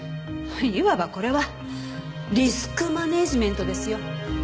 いわばこれはリスクマネジメントですよ。